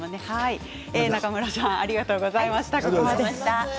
中村さんありがとうございました。